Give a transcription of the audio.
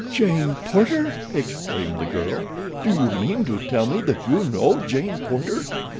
"Jane Porter!" exclaimed the girl. "Do you mean to tell me that you know Jane Porter?